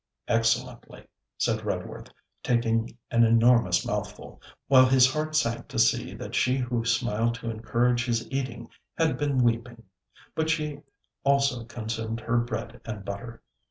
'Excellently,' said Redworth, taking an enormous mouthful, while his heart sank to see that she who smiled to encourage his eating had been weeping. But she also consumed her bread and butter.